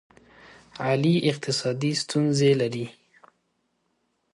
علي اقتصادي ستونزې لري.